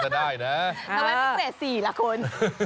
เอาไปเล่นเกรด๔ละคน